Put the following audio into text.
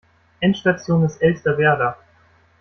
Endstation ist Elsterwerda.